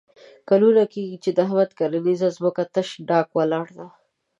کلونه کېږي چې د احمد کرنیزه ځمکه تش ډاګ ولاړه ده.